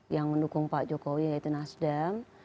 yang mendukung pak jokowi yaitu nasdem